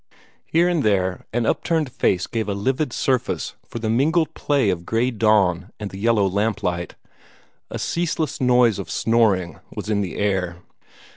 Here and there an upturned face gave a livid patch of surface for the mingled play of the gray dawn and the yellow lamp light. A ceaseless noise of snoring was in the air.